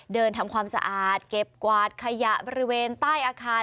ทำความสะอาดเก็บกวาดขยะบริเวณใต้อาคาร